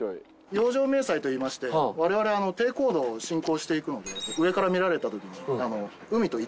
洋上迷彩といいましてわれわれ低高度を侵攻していくので上から見られたときに海と一体になるように。